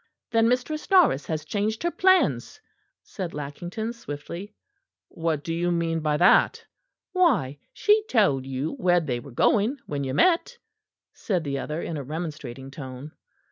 "Then Mistress Norris has changed her plans?" said Lackington swiftly. "What do you mean by that?" "Why she told you where they were going when you met?" said the other in a remonstrating tone.